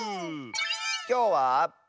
きょうは。